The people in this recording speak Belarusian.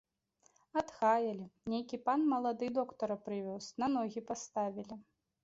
Адхаялі, нейкі пан малады доктара прывёз, на ногі паставілі.